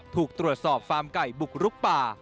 ถูกตรวจสอบฟาร์มไก่บุกรุกป่า